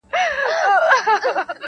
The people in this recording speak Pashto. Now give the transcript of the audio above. • په خپله خر نه لري د بل پر آس خاندي -